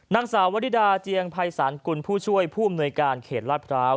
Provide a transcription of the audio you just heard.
นางสาววริดาเจียงภัยศาลกุลผู้ช่วยผู้อำนวยการเขตลาดพร้าว